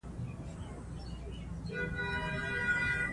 تاریخ د افغانستان د ملي هویت نښه ده.